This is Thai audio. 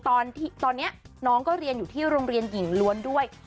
ตอนนี้น้องก็เรียนอยู่ที่โรงเรียนหญิงล้วนด้วย